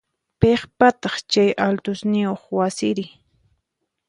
Piqpataq chay altosniyoq wasiri?